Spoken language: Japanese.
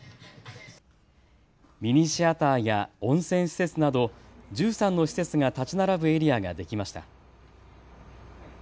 ミニシアターや温泉施設など１３の施設が建ち並ぶエリアができました。